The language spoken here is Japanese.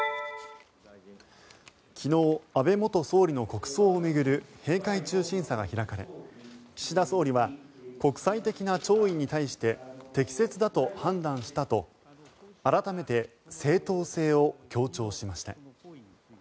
昨日、安倍元総理の国葬を巡る閉会中審査が開かれ岸田総理は国際的な弔意に対して適切だと判断したと改めて正当性を強調しました。